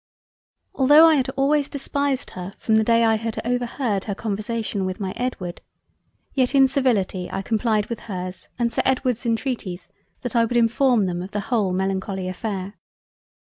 Although I had always despised her from the Day I had overheard her conversation with my Edward, yet in civility I complied with hers and Sir Edward's intreaties that I would inform them of the whole melancholy affair.